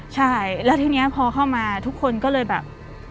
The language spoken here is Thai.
ใช่แล้วทีนี้พอเข้ามาทุกคนก็เลยแบบ